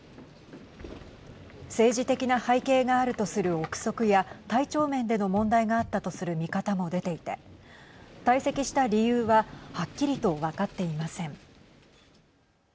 政治的な背景があるとする臆測や体調面での問題があったとする見方も出ていて退席した理由ははっきりと分かっていません。